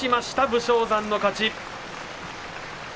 武将山の勝ち。